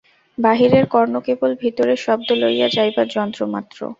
বাহিরের কর্ণ কেবল ভিতরে শব্দ লইয়া যাইবার যন্ত্রমাত্র।